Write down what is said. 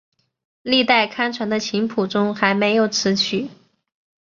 历代刊传的琴谱中还没有此曲。